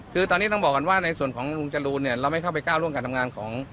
คือตอนนี้ต้องบอกก่อนว่าในส่วนของลุงจรูนเนี่ยเราไม่เข้าไปก้าวร่วงการทำงานของ